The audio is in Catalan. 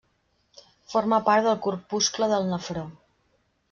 Forma part del corpuscle del nefró.